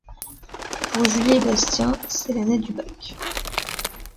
Pour Julie et Bastien c'est l'année du bac.